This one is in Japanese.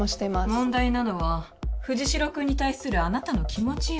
問題なのは藤代くんに対するあなたの気持ちよ。